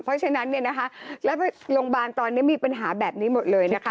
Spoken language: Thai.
เพราะฉะนั้นเนี่ยนะคะแล้วโรงพยาบาลตอนนี้มีปัญหาแบบนี้หมดเลยนะคะ